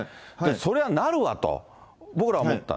それはなるわと僕らは思った。